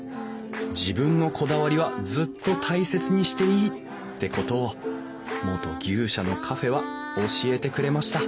自分のこだわりはずっと大切にしていいってことを元牛舎のカフェは教えてくれました